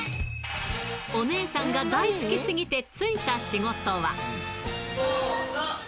お姉さんが大好きすぎて就いた仕事は。